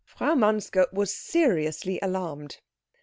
Frau Manske was seriously alarmed.